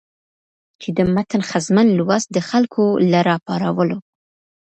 چې د متن ښځمن لوست د خلکو له راپارولو